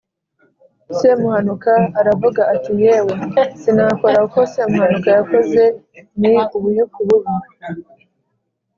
Semuhanuka aravuga ati” Yewe, sinakora uko semuhanuka yakoze, ni ubuyuku bubi.